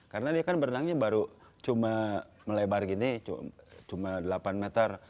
karena dia kan berenangnya baru cuma melebar gini cuma delapan meter